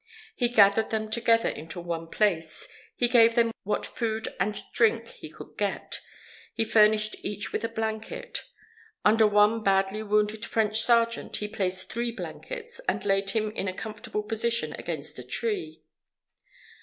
He gathered them together into one place. He gave them what food and drink he could get. He furnished each with a blanket. Under one badly wounded French sergeant, he placed three blankets, and laid him in a comfortable position against a tree.